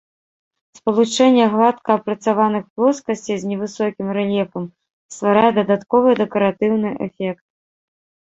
Спалучэнне гладка апрацаваных плоскасцей з невысокім рэльефам стварае дадатковы дэкаратыўны эфект.